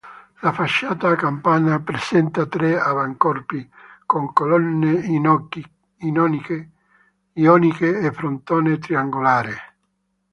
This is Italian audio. La facciata a capanna presenta tre avancorpi con colonne ioniche e frontone triangolare.